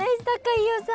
飯尾さん。